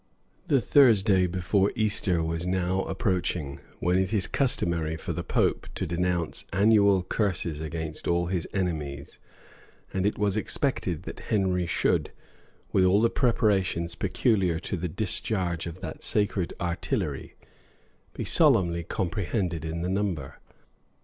The Thursday before Easter was now approaching, when it is customary for the pope to denounce annual curses against all his enemies; and it was expected that Henry should, with all the preparations peculiar to the discharge of that sacred artillery, be solemnly comprehended in the number.